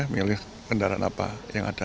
milih kendaraan apa yang ada